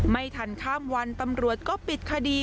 ไม่ทันข้ามวันตำรวจก็ปิดคดี